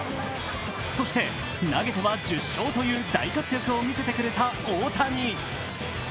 そして投げては１０勝という大活躍を見せてくれた大谷。